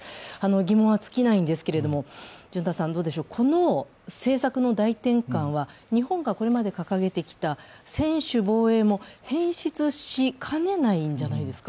疑問は尽きないんですけれども、この政策の大転換は日本がこれまで掲げてきた専守防衛も変質しかねないんじゃないですか？